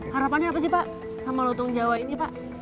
harapannya apa sih pak sama lutung jawa ini pak